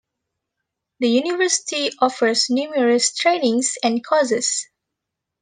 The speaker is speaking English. The university offers numerous trainings and courses.